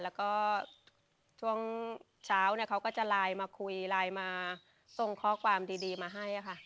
แล้วก็ช่วงเช้าเนี่ยเขาก็จะไลน์มาคุยไลน์มาส่งข้อความดีมาให้ค่ะ